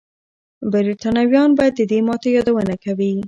برتانويان به د دې ماتې یادونه کوي.